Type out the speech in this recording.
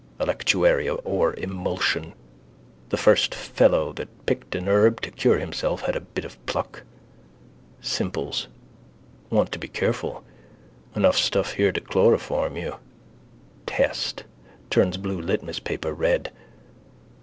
Electuary or emulsion. The first fellow that picked an herb to cure himself had a bit of pluck. Simples. Want to be careful. Enough stuff here to chloroform you. Test: turns blue litmus paper red.